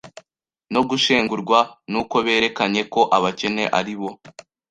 no gushengurwa n'uko berekanye ko abakene ari bo